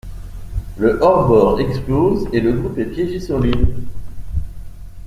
Le hors-bord explose et le groupe est piégé sur l'île.